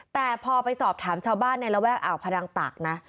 แต่พอไปสอบถามชาวบ้านในระแวกอ่าวพดังตักนะ